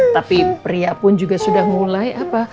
tapi pria pun juga sudah mulai apa